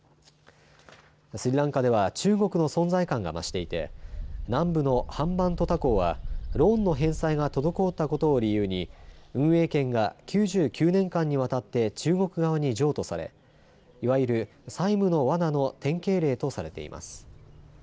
スリランカでは中国の存在感が増していて南部のハンバントタ港はローンの返済が滞ったことを理由に運営権が９９年間にわたって中国側に譲渡されいわゆる債務のわなの典型例とされています。